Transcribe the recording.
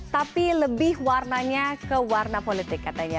tapi lebih warnanya ke warna politik katanya